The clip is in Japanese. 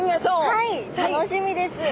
はい楽しみです。